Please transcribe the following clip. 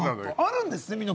あるんですね